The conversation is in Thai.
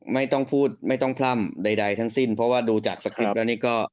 ไม่ต้องพูดไม่ต้องพร่ำใดทั้งสิ้นเพราะว่าดูจากสคริปต์แล้วนี่ก็